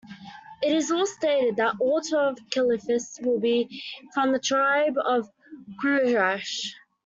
It is stated that all twelve caliphs will be from the tribe of Quraysh.